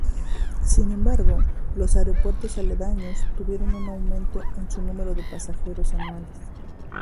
Sin embargo, los aeropuertos aledaños tuvieron un aumento en su número de pasajeros anuales.